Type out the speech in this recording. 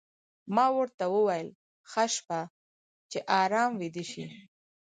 ما ورته وویل: ښه شپه، چې ارام ویده شې.